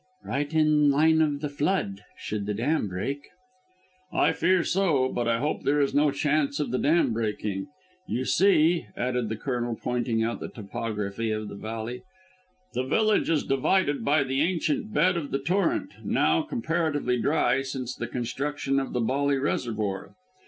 "Right in line of the flood, should the dam break." "I fear so; but I hope there is no chance of the dam breaking. You see," added the Colonel pointing out the topography of the valley, "the village is divided by the ancient bed of the torrent, now comparatively dry since the construction of the Bolly Reservoir.